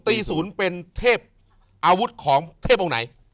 ปี๐เป็นเทพอาวุธของเทพองค์ไหน